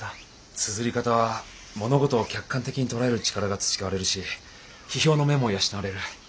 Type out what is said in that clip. つづり方は物事を客観的に捉える力が培われるし批評の目も養われる。